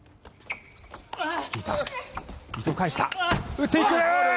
打っていく！